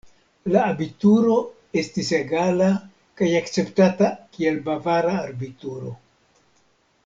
La abituro estis egala kaj akceptata, kiel bavara abituro.